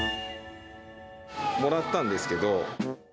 もらったんですけど。